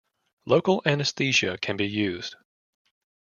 Local anesthesia can be used.